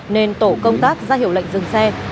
nên tổ công tác ra hiệu lệnh dừng xe